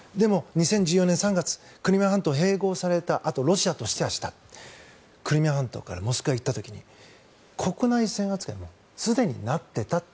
でも、２０１４年３月クリミア半島が併合されたあとクリミア半島からモスクワに行った時に国内線扱いにすでになっていた。